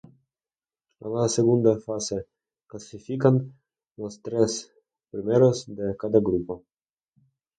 A la segunda fase clasifican los tres primeros de cada grupo.